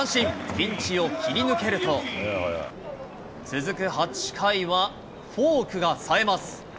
ピンチを切り抜けると、続く８回は、フォークがさえます。